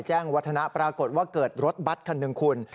วัฒนะปรากฏว่าเกิดรถบัตรคันหนึ่งคุณ